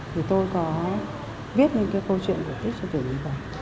thì tôi có viết những cái câu chuyện cổ tích cho tuổi một mươi bảy